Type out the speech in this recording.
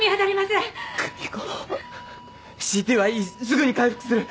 すぐに開腹する。